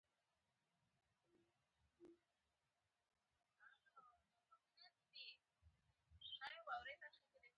هم به ته يې هم به زه يم.